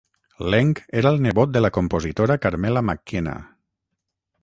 Leng era el nebot de la compositora Carmela Mackenna.